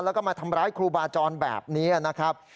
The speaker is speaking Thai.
แล้วก็มาทำร้ายครูบาจรแบบนี้นะครับ